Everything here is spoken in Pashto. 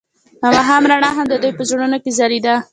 د ماښام رڼا هم د دوی په زړونو کې ځلېده.